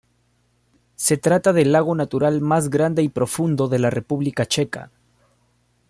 Se trata del lago natural más grande y profundo en la República Checa.